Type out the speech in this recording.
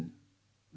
đăng trên báo